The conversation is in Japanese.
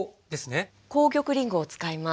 紅玉りんごを使います。